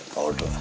tau dulu ah